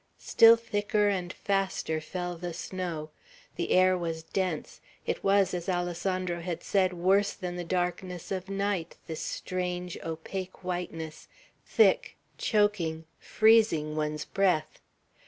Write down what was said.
Still thicker and faster fell the snow; the air was dense; it was, as Alessandro had said, worse than the darkness of night, this strange opaque whiteness, thick, choking, freezing one's breath.